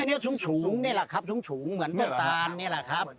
อันนี้ชุ้งนี่แหละครับชุ้งเหมือนต้นตานนี่แหละครับ